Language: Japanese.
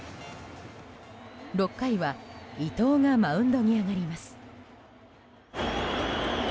６回は伊藤がマウンドに上がります。